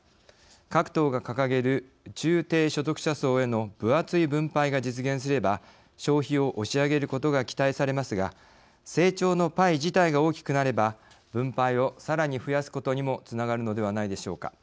各党が掲げる中低所得者層への分厚い分配が実現すれば消費を押し上げることが期待されますが成長のパイ自体が大きくなれば分配をさらに増やすことにもつながるのではないでしょうか。